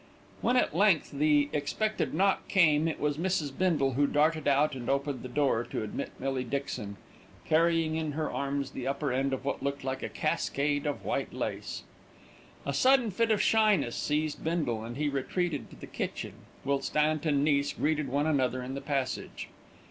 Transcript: When at length the expected knock came, it was Mrs. Bindle who darted out and opened the door to admit Millie Dixon, carrying in her arms the upper end of what looked like a cascade of white lace. A sudden fit of shyness seized Bindle, and he retreated to the kitchen; whilst aunt and niece greeted one another in the passage.